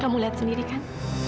kamu lihat sendiri kan